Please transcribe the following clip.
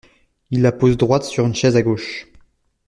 Il la pose droite sur un chaise à gauche.